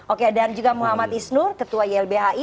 oke dan juga muhammad isnur ketua ylbhi